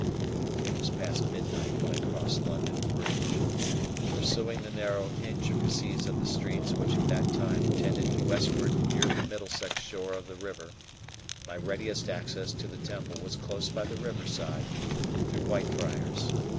It was past midnight when I crossed London Bridge. Pursuing the narrow intricacies of the streets which at that time tended westward near the Middlesex shore of the river, my readiest access to the Temple was close by the river side, through Whitefriars.